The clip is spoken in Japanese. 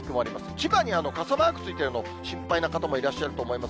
千葉に傘マークついてるの、心配な方もいらっしゃると思います。